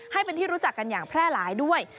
ให้เป็นที่รู้จักกันอย่างแพร่หลายด้วย